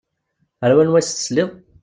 Ar wanwa i s-tesliḍ?